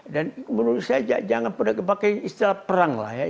dan menurut saya jangan pernah dipakai istilah perang lah ya